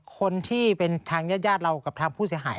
คนที่เป็นทางญาติเรากับทางผู้เสียหาย